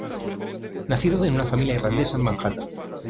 Nacido en una familia irlandesa en Manhattan.